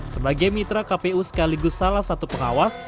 sebagai mitra kpu sekaligus salah satu pengawas